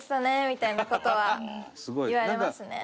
みたいな事は言われますね。